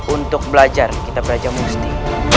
untuk belajar kitab raja musti